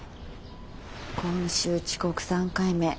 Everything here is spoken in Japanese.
今週遅刻３回目。